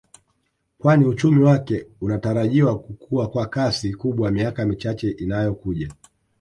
Kwani uchumi wake unatarajiwa kukua kwa kasi kubwa miaka michache inayo kuja